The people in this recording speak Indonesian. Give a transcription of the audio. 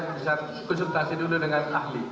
saya mau tanya bisa konsultasi dulu dengan ahli